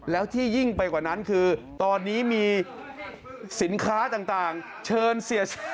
แล้วที่ยิ่งไปกว่านั้นคือตอนนี้มีสินค้าต่างเชิญเสีย